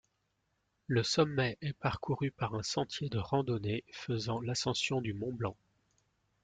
Le sommet est parcouru par un sentier de randonnée faisant l'ascension du mont Blanc.